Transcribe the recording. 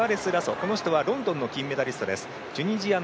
この人はロンドンの金メダリスト。